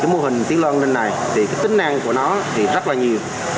mô hình tiếng loa an ninh này tính năng của nó rất là nhiều